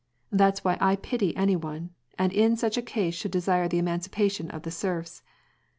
That's why I pity any one, and in such a case should desire the emancipation of the serfs.